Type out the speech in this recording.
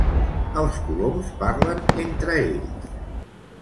Els coloms parlen entre ells